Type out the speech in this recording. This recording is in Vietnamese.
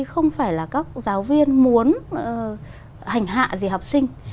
không phải là các giáo viên muốn hành hạ gì học sinh